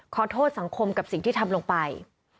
ขอโทษสังคมกับสิ่งที่ทำลงไป